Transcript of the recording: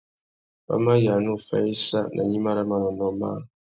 Wa mà yāna uffá issa nà gnima râ manônōh măh.